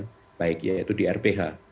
di tempat yang baik yaitu di rph